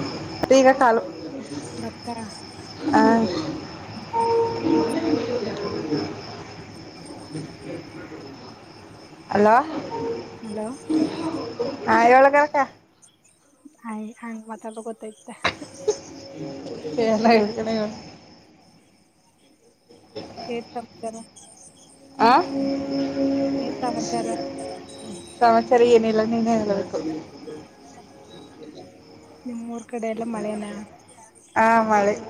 [unintelligible] ಬತ್ತರ. ಆ [inaudible] hello. Hello. [unintelligible] Hi ಹಂಗ್ ಮಾತಾಡದ್ರ ಗೊತ್ತೈತ [unintelligible] ಏನ್ ಸಮಾಚಾರ. ಹಾ ಏನ್ ಸಮಾಚಾರ ಸಮ ಚಾರ ಏನಿಲ್ಲ ನೀನೆ ಹೇಳ್ಬೇಕು. ನಿಮ್ಮೂರ್ ಕಡೆ ಎಲ್ಲ ಮಳೆನ ಆ ಮಳೆ [inaudible] [inaudible] [unintelligible]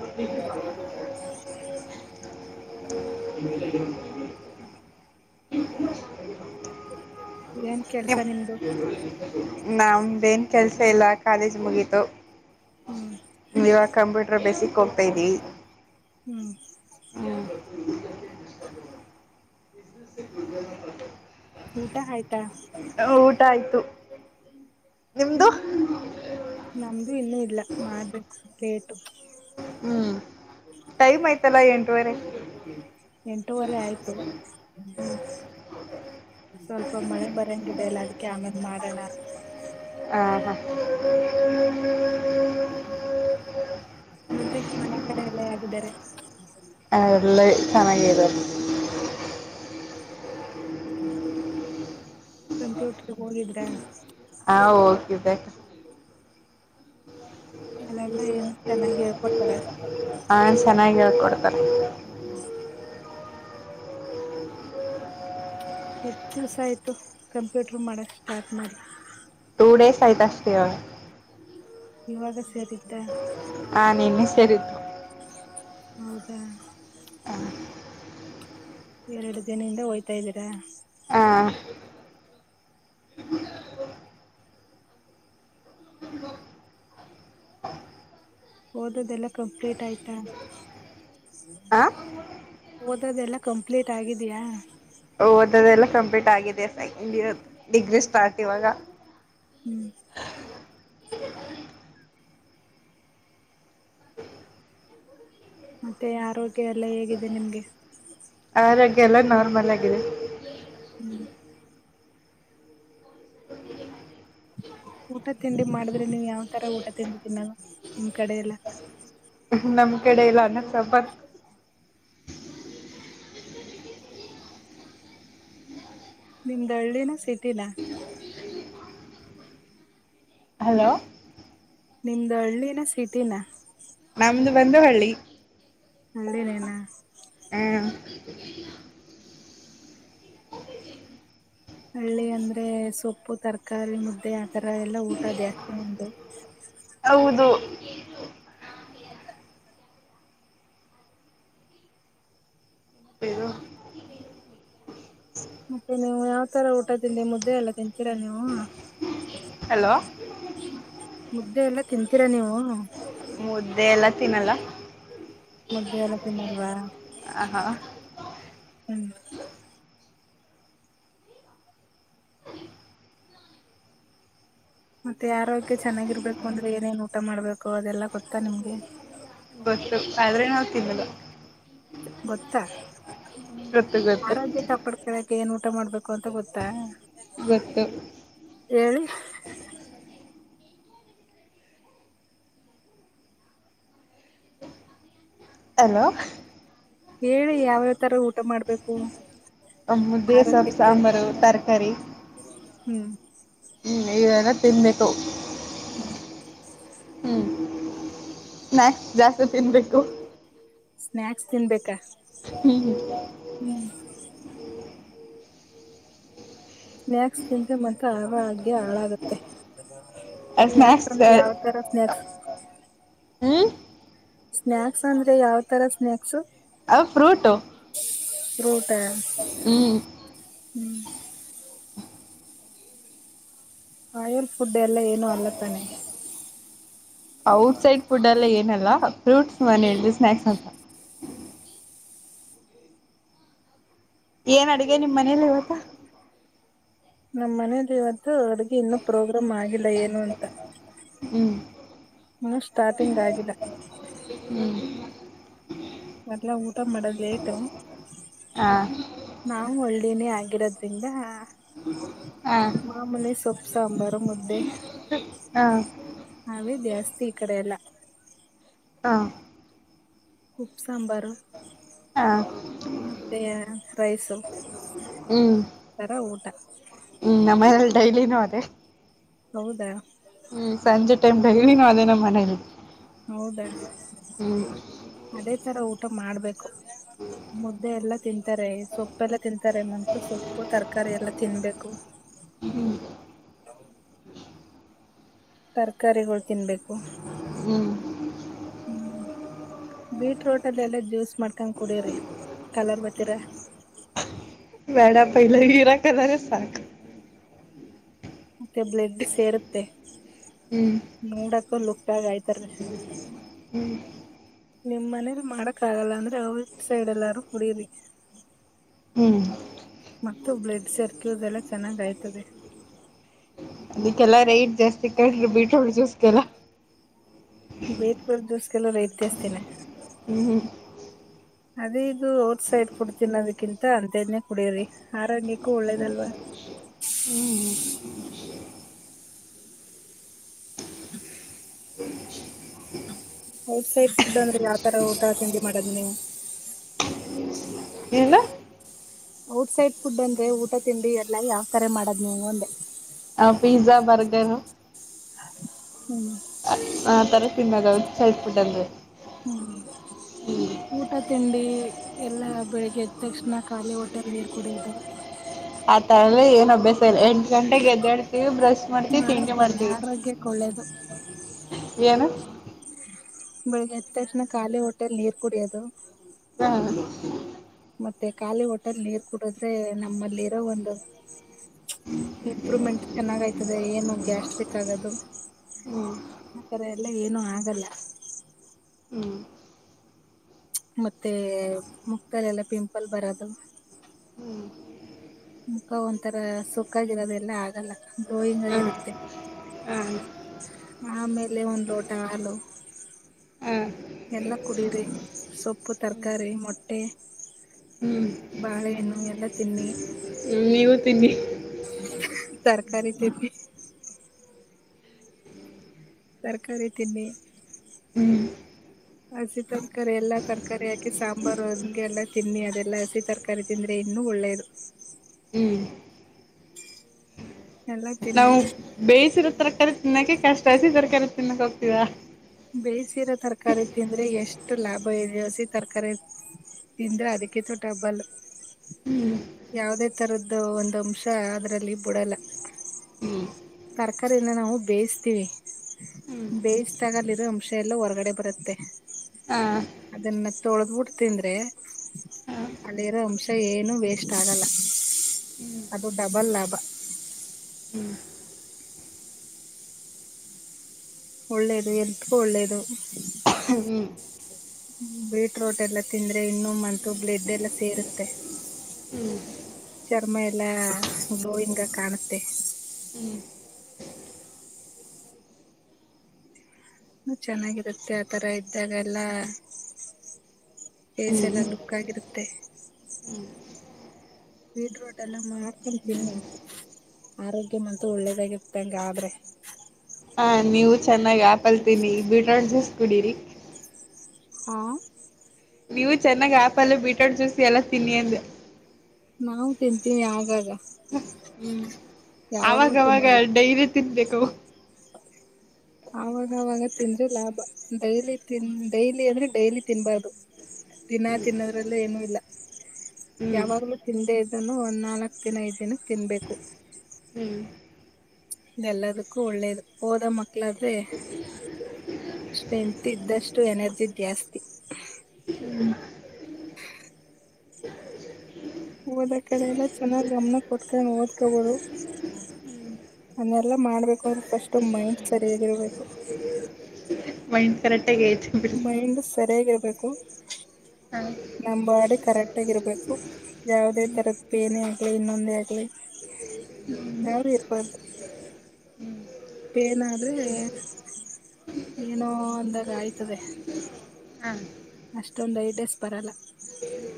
ಏನ್ ಕೆಲ್ಸ ನಿಮ್ದು ನಮ್ದೇನ್ ಕೆಲ್ಸ ಇಲ್ಲ. ಕಾಲೇಜ್ ಮುಗೀತು. ಹ್ಮ್ ನೀವ ಕಂಪ್ಯೂಟರ್ ಬೇಸಿಕ್ ಹೋಗ್ತಾದ್ದೀ. [inaudible] [inaudible] ಊಟ ಆಯ್ತಾ. ಹ ಊಟ ಆಯ್ತು. ನಿಮ್ದು. ನಮ್ದು ಇನ್ನು ಇಲ್ಲ ಮಾಡ್ಬೇಕು ಲೇಟು. ಹ್ಮ್ ಟೈಮ್ ಆಯ್ತಲ್ಲ ಎಂಟುವರೆ. ಎಂಟೂವರೆ ಆಯ್ತು. ಸ್ವಲ್ಪ ಮಳೆ ಬರಂಗಿದೆ ಅಲ್ಲ ಅದಕ್ಕೆ ಆಮೇಲ್ ಮಾಡೋಣ. ಆ ಹಾ. ಮತ್ತೆ ಮನೆ ಕಡೆ ಎಲ್ಲ ಹೇಗಿದ್ದಾರೆ ಅಲ್ಲೇ ಚೆನ್ನಾಗಿರೋದು. ಕಂಪ್ಯೂಟರ್ಗ್ ಹೋಗಿದ್ರಾ. ಹಾ ಹೋಗಿದ್ದೆ. [inaudible] ಎಲ್ಲ ಏನು ಚೆನ್ನಾಗಿ ಹೇಳ್ಕೋಡ್ತಾರೆ. ಹಾ ಚೆನ್ನಾಗಿ ಹೇಳ್ಕೊಡ್ತಾರೆ ಎಷ್ಟ್ ದಿವ್ಸ ಆಯ್ತು ಕಂಪ್ಯೂಟರ್ ಮಾಡಕ್ ಸ್ಟಾರ್ಟ್ ಮಾಡಿ. ಟು ಡೇಸ್ ಆಯ್ತ್ ಅಷ್ಟೆ ಇವಾಗ. ಇವಾಗ ಸೇರಿದ್ದ. ಸರಿ. ಹೌದಾ. [inaudible] ಎರಡ್ ದಿನಯಿಂದ ಹೋಯ್ತಾ ಇದ್ದೀರಾ. ಹಾ. ಓದೋದೆಲ್ಲ ಕಂಪ್ಲೀಟ್ ಆಯ್ತಾ. ಹ ಓದೋದೆಲ್ಲ ಕಂಪ್ಲೀಟ್ ಆಗಿದಿಯಾ. ಓದೋದೆಲ್ಲ ಕಂಪ್ಲೀಟ್ ಆಗಿದೆ ಸೆಕೆಂಡ್ ಇಯರ್ ಡಿಗ್ರಿ ಸ್ಟಾರ್ಟ್ ಇವಾಗ. ಹ್ಮ್. ಮತ್ತೆ ಆರೋಗ್ಯ ಎಲ್ಲ ಹೇಗಿದೆ ನಿಮ್ಗೆ. ಆರೋಗ್ಯ ಎಲ್ಲ ನಾರ್ಮಲ್ ಆಗಿದೆ. ಹ್ಮ್. ಊಟ ತಿಂಡಿ ಮಾಡಿದ್ರೆ ನೀವು ಯಾವ್ ತರ ಊಟ [unintelligible] ನಿಮ್ ಕಡೆ ಎಲ್ಲ. ನಮ್ ಕಡೆ ಇಲ್ಲ ಅನ್ನ [unintelligible] ಸಪತ್ ನಿಮ್ದ ಹಳ್ಳಿನ ಸಿಟಿನ. ಹಲೋ ನಿಮ್ದ್ ಹಳ್ಳಿನ ಸಿಟಿನ. ನಮ್ದ ಬಂದು ಹಳ್ಳಿ. ಹಳ್ಳಿನೇನಾ. ಹ್ಮ್ ಹಳ್ಳಿ ಅಂದ್ರೆ ಸೊಪ್ಪು ತರಕಾರಿ ಮುದ್ದೆ ಆತರ ಎಲ್ಲಾ ಊಟ [unintelligible] ದ್ಯಾಸ್ತ ನಿಂದು [unintelligible] ಹೌದು ಇದು ಮತ್ತೆ ನೀವು ಯಾವ್ ತರ ಊಟ ತಿಂಡಿ ಮುದ್ದೆ ಎಲ್ಲ ತಿಂತೀರ ನೀವು. ಹಲೋ ಮುದ್ದೆ ಎಲ್ಲ ತಿಂತೀರಾ ನೀವು. ಮುದ್ದೆ ಎಲ್ಲ ತಿನ್ನಲ್ಲ. ಮುದ್ದೆ ಎಲ್ಲ ತಿನ್ನಲ್ವಾ. ಆ ಹ್ ಹ್ಮ್ ಮತ್ತೆ ಆರೋಗ್ಯ ಚೆನ್ನಾಗಿರ್ಬೇಕು ಅಂದ್ರೆ ಏನೇನ್ ಊಟ ಮಾಡ್ಬೇಕು ಅದೆಲ್ಲಾ ಗೊತ್ತಾ ನಿಮ್ಗೆ. ಗೊತ್ತು ಆದ್ರೆ ನಾವ್ ತಿನ್ನಲ್ಲ. ಗೊತ್ತಾ ಗೊತ್ತು ಗೊತ್ತು ಆರೋಗ್ಯ ಕಾಪಡ್ತವೆ ಏನ್ ಊಟ ಮಾಡ್ಬೇಕು ಅಂತ ಗೊತ್ತಾ. ಗೊತ್ತು ಹೇಳಿ ಹಲೋ ಹೇಳಿ ಯಾವ್ಯಾವ ತರ ಊಟ ಮಾಡ್ಬೇಕು. ಮುದ್ದೆ ಸೊಪ್ ಆರೋಗ್ಯಕ್ಕೆ ಅಂತ ಸಾಂಬಾರು ತರಕಾರಿ. ಹ್ಮ್ ಹ್ಮ್ ಇವೆಲ್ಲ ತಿನ್ಬೇಕು. ಹ್ಮ್ ಹ್ಮ ಸ್ನ್ಯಾಕ್ಸ್ ಜಾಸ್ತಿ ತಿನ್ಬೇಕು. ಸ್ನ್ಯಾಕ್ಸ್ ತಿನ್ಬೇಕಾ. ಹ್ಮ್ ಹ್ಮ್ ಸ್ನ್ಯಾಕ್ಸ್ ತಿಂದ್ರೆ ಮಾತ್ರ ಆರೋಗ್ಯ ಹಾಳಾಗುತ್ತೆ. ಸ್ನ್ಯಾಕ್ಸ್ ಅಂದ್ರೆ ಯಾವ ತರ ಸ್ನ್ಯಾಕ್ಸ್. ಹ್ಮ ಸ್ನ್ಯಾಕ್ಸ್ ಅಂದ್ರೆ ಯಾವ ತರ ಸ್ನ್ಯಾಕ್ಸು. ಅವು ಫ್ರೂಟು. ಫ್ರೂಟಾ ಹ್ಮ್. ಆಯಲ್ ಫುಡ್ ಎಲ್ಲ ಏನು ಅಲ್ಲತಾನೆ. ಔಟ್ಸೈಡ್ ಫುಡ್ ಎಲ್ಲ ಏನಲ್ಲ ಫ್ರೂಟ್ಸ್ ನಾನ ಹೇಳ್ದೆ ಸ್ನ್ಯಾಕ್ಸ್ ಅಂತ. ಏನ್ ಅಡ್ಗೆ ನಿಮ್ ಮನೇಲಿ ಇವತ್ತ. ನಮ್ಮ್ ಮನೆಲಿ ಇವತ್ತು ಅಡ್ಗೆ ಇನ್ನು ಪ್ರೋಗ್ರಾಮ್ ಆಗಿಲ್ಲ ಏನು ಅಂತ. ಹ್ಮ್ ಹಿನ ಸ್ಟಾರ್ಟಿಂಗ್ ಆಗಿಲ್ಲ. ಹ್ಮ್ ಮದ್ಲೇ ಊಟ ಮಾಡದ್ ಲೇಟು. ಹಾ ನಾವು ಹಳ್ಳಿನೆ ಆಗಿರದ್ರಿಂದ. ಹಾ ಮಾಮೂಲಿ ಸೊಪ್ಪು ಸಾಂಬಾರು ಮುದ್ದೆ. ಹಾ ಆವೆ ಜಾಸ್ತಿ ಈ ಕಡೆ ಎಲ್ಲ. ಹಾ ಉಪ್ ಸಾಂಬಾರು. ಹಾ ಮುದ್ದೆ ರೈಸು ಹ್ಮ್ ತರ ಊಟ. ಹ್ಮ್ ನಮ್ಮೇನಲ್ ಡೈಲಿನೂ ಅದೇ. ಹೌದಾ ಹ್ಮ್ಮ್ ಸಂಜೆ ಟೈಮ್ ಡೈಲಿನು ಅದೇ ನಮ್ಮನೇಲಿ. ಹೌದಾ ಅದೇ ತರ ಊಟ ಮಾಡ್ಬೇಕು ಮುದ್ದೆ ಎಲ್ಲಾ ತಿಂತಾರೆ ಸೊಪ್ಪ ಎಲ್ಲ ತಿಂತಾರೆ ಮತ್ ಸೊಪ್ಪು ತರಕಾರಿ ಎಲ್ಲಾ ತಿನ್ಬೇಕು [unintelligible] ತರಕಾರಿಗಳು ತಿನ್ಬೇಕು ಹ್ಮ್ ಹ್ಮ್ ಬೀಟ್ರೋಟ್ ಅದಲ್ಲ ಜ್ಯೂಸ್ ಮಾಡ್ಕೊಂಡ್ ಕುಡ್ರರಿ ಕಲರ್ ಬತೀರ ಬ್ಯಾಡಪ್ಪ ಇವಗ ಹೀರಾ ಕಲಾರೆ ಸಾಕು ಮತ್ತೆ ಬ್ಲಡ್ ಸೇರುತ್ತೆ ಹ್ಮ್ [unintelligible] ಆಯ್ತಾರ ಹ್ಮ್ ನಿಮ್ಮ ಮನೇಲಿ ಮಾಡಕ್ಕಾಗಲ್ಲ ಅಂದ್ರೆ ಔಟ್ ಸೈಡೆಲ್ಲಾರೂ ಕುಡೀರಿ ಹ್ಮ್ ಮತ್ತು ಬ್ಲಡ್ ಸರ್ಕ್ಯೂಲ್ದೆಲ್ಲ ಚೆನ್ನಾಗಾಯ್ತದೆ ಅದಕ್ಕೆಲ್ಲಾ ರೈಟ್ ಜಾಸ್ತಿ ಕ್ರಿ ಬೀಟ್ರೂಟ್ ಜ್ಯೂಸ್ಗೆಲ್ಲ ಬೀಟ್ರೂಟ್ ಜ್ಯೂಸ್ ಎಲ್ಲಾ ರೈಟ್ ಜಾಸ್ತಿ ನ ಹ್ಮ್ ಅದೇ ಇದು ಔಟ್ ಸೈಡ್ ಪುಡ್ ತಿನ್ನೋದಕ್ಕಿಂತ ಅಂದನೇ ಕುಡಿಯರಿ ಆರೋಗ್ಯಕ್ಕೂ ಒಳ್ಳೇದಲ್ವಾ ಹ್ಮ್ ಹ್ಮ್ ಔಟ್ ಸೈಡ್ ಫುಡ್ ಅಂದ್ರಿ ಯಾವ್ತರ ಊಟ ತಿಂಡಿ ಮಾಡೋದು ನೀವು ಇಲ್ಲ ಔಟ್ಸೈಡ್ ಫುಡ್ ಅಂದ್ರೆ ಊಟ ತಿಂಡಿ ಎಲ್ಲ ಯಾವ್ಥರ ಮಾಡದ್ ನೀ ಒಂದೆ ಆ ಪಿಜ್ಜಾ ಬರ್ಗರ್ ಹ್ಮ್ ಆ ತರ ತಿನ್ನಾದ ಔಟ್ ಸೈಡ್ ಫುಡ್ ಅಂದ್ರೆ ಹ್ಮ್ ಊಟ ತಿಂಡಿ ಎಲ್ಲಾ ಬೆಳಿಗ್ಗೆ ಎದ ತಕ್ಷಣ ಖಾಲಿ ಹೊಟೆಲ್ ನೀರ್ ಕುಡಿಯೋದು ಆ ತರಲ್ಲಿ ಏನ್ ಅಭ್ಯಾಸ ಇಲ್ಲ ಎಂಟು ಗಂಟೆಗೆ ಹೆದ್ದಾಡ್ತಿವಿ ಬ್ರಷ್ ಮಾಡ್ತಿವಿ ತಿಂಡಿ ಮಾಡ್ತೀವಿ ಹ್ಮ ಏನು ಬೆಳಿಗ್ಗೆ ಎತ್ತಕ್ಷಣ ಖಾಲಿ ಹೊಟ್ಟೆಯಲ್ಲಿ ನೀರ್ ಕುಡಿಯೋದು ಹ ಮತ್ತೆ ಖಾಲಿ ಹೋಟಲ್ ನೀರ್ ಕುಡದ್ರೆ ನಮ್ಮಲ್ಲಿ ಇರೋ ಒಂದು ಇಂಪ್ರೂವ್ಮೆಂಟ್ ಚೆನ್ನಾಗ್ಯ್ತದೆ ಏನು ಗ್ಯಾಸ್ಟ್ರಿಕ್ ಆಗದು ಹ್ಮ್ ಆತರೆ ಎಲ್ಲ ಏನು ಆಗಲ್ಲ ಹ್ಮ್ ಹ್ಮ್ ಮತ್ತೆ ಮುಕ್ತಲೆ ಎಲ್ಲ ಪಿಂಪಲ್ ಬರದು ಮುಖ ಒಂಥರ ಸುಕ್ಕಾಗಿರೋದೆ ಎಲ್ಲ ಆಗಲ್ಲ ಗ್ಲೋಯಿಂಗ್ ಹ್ಮ್ ಆಗಿರುತ್ತೆ ಹ್ಮ್ ಆಮೇಲೆ ಒಂದ್ ಲೋಟ ಹಾಲು ಹ್ಮ್ ಎಲ್ಲ ಕುಡೀರರಿ ಸೊಪ್ಪು ತರಕಾರಿ ಮೊಟ್ಟೆ ಹ್ಮ್ ಬಾಳೆ ಹಣ್ಣು ಎಲ್ಲಾ ತಿನ್ನಿ ನೀವು ತಿನ್ನಿ ತರಕಾರಿ ತಿನ್ನಿ ತರಕಾರಿ ತಿನ್ನಿ ಹ್ಮ್ ಹಸಿ ತರಕಾರಿ ಎಲ್ಲಾ ತರಕಾರಿ ಹಾಕಿ ಸಾಂಬಾರು ಒಂಗೆ ಎಲ್ಲಾ ತಿನ್ನಿ ಅದೆಲ್ಲಾ ಹಸಿ ತರಕಾರಿ ತಿಂದ್ರೆ ಇನ್ನೂ ಒಳ್ಳೆಯದು ಹ್ಮ್ ಎಲ್ಲಾ ತಿನ್ನಿ ನಾವು ಬೇಯಿಸಿರೋ ತರಕಾರಿ ತಿನ್ನೋಕೆ ಕಷ್ಟ ಹಸಿ ತರಕಾರಿ ತಿನ್ನಕ್ ಹೋಗ್ತೀವ ಬೇಯಿಸಿರೋ ತರಕಾರಿ ತಿಂದ್ರೆ ಎಷ್ಟು ಲಾಭ ಇದೆ ಹಸಿ ತರಕಾರಿ ತಿಂದ್ರೆ ಅದಕ್ಕಿಂತ ಹಬ್ಬಲ್ ಹ್ಮ್ ಯಾವದೇ ತರದ್ದು ಒಂದು ಅಂಶ ಅದ್ರಲ್ಲಿ ಬಿಡಲ್ಲ ಹ್ಮ್ ತರಕಾರಿಯಿಂದ ನಾವು ಬೇಯಿಸತೀವಿ ಹ್ಮ್ ಬೇಯಿಸ್ದಾಗ ಅದರಲ್ಲಿ ಇರೋ ಅಂಶ ಎಲ್ಲ ಹೊರ್ಗಡೆ ಬರುತ್ತೆ ಹಾ ಅದನ್ನ ತೊಳೆದ್ಬಿಟ್ಟು ತಿಂದ್ರೆ ಹಾ ಅಲ್ಲಿರೋ ಅಂಶ ಏನು ವೇಸ್ಟ್ ಆಗಲ್ಲ ಹ್ಮ್ ಅದು ಡಬಲ್ ಲಾಭ ಹ್ಮ್ ಒಳ್ಳೇದು ಹೇಳ್ರ್ಹ್ ಒಳ್ಳಳ್ಳೇದು ಹ್ಮ್ ಹ ಬೀಟ್ರೋಟ್ ಎಲ್ಲ ತಿಂದ್ರೆ ಇನ್ನೊಮ್ಮಂತು ಬ್ಲೆಡ್ ಎಲ್ಲ ಸೇರುತ್ತೆ ಹ್ಮ್ ಚರ್ಮ ಎಲ್ಲಾ ಗ್ಲೋಯಿಂಗ ಕಾಣುತ್ತೆ ಚೆನ್ನಾಗಿರುತ್ತೆ ಆತರ ಇದ್ದಾಗೆಲ್ಲ ಫೇಸ್ ಎಲ್ಲ ಹ್ಮ್ ಲುಕ್ ಆಗಿರುತ್ತೆ ಬೀಡ್ ರೋಟ್ ಎಲ್ಲ ಮಾಡ್ತರ್ತೀಿಿ ಆರೋಗ್ಯ ಅಂತ ಒಳ್ಳೆದಾಗಿರ್ತಂಗ ಆದ್ರೆ ಹ ನೀವು ಚೆನ್ನಾಗಿ್ ಆಪಲ್ತೀನಿ ಬೀಟ್ರೋಟ್ ಜೂಸ್ ಕುಡೀರಿ ಹಾ ನೀವು ಚೆನ್ನಾಗ್ ಆ್ಯಪಲ್ಲಿ ಬೀಟ್ರೂಟ್ ಜ್ಯೂಸ್ ಎಲ್ಲ ತಿನ್ನಿ ಅಂದ ನಾವು ತಿಂತೀವಿ ಯಾವಾಗ ಹ್ಮ್ ಅವಾಗವಾಗ ಡೈಲಿ ತಿನ್ಬೇಕು ಆಾಗವಾಗ ತಿಂದ್ರೆ ಲಾಭ ಡೈಲಿ ತಿನ್ ಡೈಲಿ ಅಂದ್ರೆ ಡೈಲಿ ತಿನ್ಬಾರ್ದು ದಿನಾ ತಿನ್ನೋದ್ರಲ್ಲ ಏನುೂ ಇಲ್ಲ ಹ್ಮ್ ಯಾವಾಗ್ಲೂ ತಿಂದೇ ಇದನ್ನು ಒಂದ್ ನಾಲ್ಕ್ ದಿನ ಐದ್ ದಿನಕ್ಕೆ ತಿನ್ಬೇಕು ಹ್ಮ್ ಎಲ್ಲದಕ್ಕೂ ಒಳ್ಳೇದು ಹೋದ ಮಕ್ಳಾದ್ರೆ ಸ್ಟ್ರೆಂತ್ ಇದ್ದಷ್ಟು ಎನರ್ಜಿ ಜಾಸ್ತಿ ಹೋದ ಕಡೆ ಎಲ್ಲ ಚೆನ್ನಾಗ್ ಗಮನ ಕೊಟ್ಕೊಂಡ ಓದ್ಕೊಬೋದು ಅನ್ನೆಲ್ಲಾ ಮಾಡ್ಬೇಕು ಅಂದ್ರೆ ಫಸ್ಟ್ ಮೈಂಡ್ ಸರಿಯಾಗಿರ್ಬೇಕು ವೈನ್ ಕರೆಕ್ಟ್ ಮೈಂಡ್ ಸರಿಯಾಗಿರ್ಬೇಕು ಹ ನಮ್ಮಾಡೆ ಕರೆಕ್ಟ್ ಆಗಿರ್ಬೇಕು ಯಾವವುದೇ ಹ್ಮ್ ತರದ ಪೇಏನೇ ಆಗ್ಲಿ ಇನ್ನೊಂದೇ ಆಗ್ಲಿ ಹ ಯಾರ ಇರ್ಪಾರ್ದ ಹ್ಮ್ ಪೇನ ಆದ್ರೆ ಏನೋ ಅಂದಾಗ ಆಯ್ತದೆ ಹ ಅಷ್ಟೊಂದು ಐಟ್ ಡೇಸ್ ಬರಲ್ಲ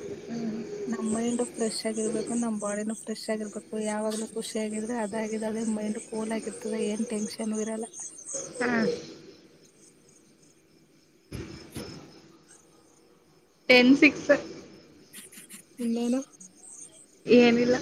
ಹ್ಮ್ ನಮ್ ಮೈಂಡ್ ಫ್ರೆಶ್ ಆಗಿರ್ಬೇಕು ನಮ್ ಬಾಡಿನ ಫ್ರೆಶ್ ಆಗಿರ್ಬೇಕು ಯಾವಾಗ್ಲೂ ಖುಷಿ ಆಿದ್ರೆ ಅದ ಮೈಂಡ್ ಕೂಲ್ ಆಗಿರ್ತದೆ ಏನ್ ಟೆನ್ಷನ್ ಇರಲ್ಲ ಹಾ ಟೆನ್ ಸಿಕ್ಸ್ ಎಲ್ಲೇನ ಏನಿಲ್ಲ